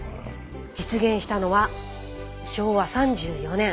実現したのは昭和３４年。